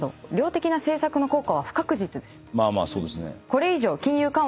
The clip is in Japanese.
まあまあそうですね。